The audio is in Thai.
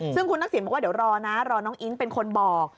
ซึ่งคุณทักษิณบอกว่าเดี๋ยวรอนะรอน้องอิ๊งเป็นคนบอก